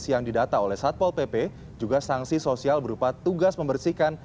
yang didata oleh satpol pp juga sanksi sosial berupa tugas membersihkan